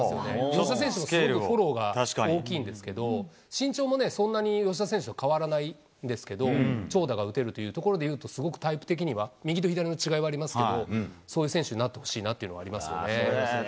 吉田選手もすごくフォローが大きいんですけれども、身長もそんなに吉田選手と変わらないんですけど、長打が打てるというところでいうと、すごくタイプ的には、右と左の違いはありますけど、そういう選手になってほしいなっていうのはありますよね。